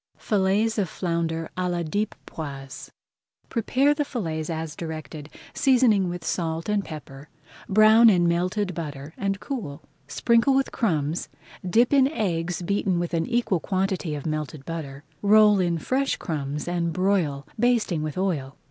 FILLETS OF FLOUNDER À LA DIEP POISE Prepare the fillets as directed, seasoning with salt and pepper, brown in melted butter, and cool. Sprinkle with crumbs, dip in eggs beaten with an equal quantity of melted butter, roll in fresh crumbs and broil, basting with oil.